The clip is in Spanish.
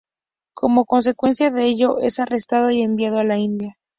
Como consecuencia de ello es arrestado y enviado a la India.